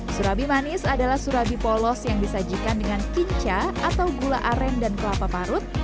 surabi manis adalah surabi polos yang disajikan dengan kinca atau gula aren dan kelapa parut